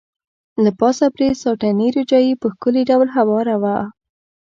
له پاسه پرې ساټني روجايي په ښکلي ډول هواره وه.